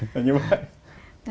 thế như vậy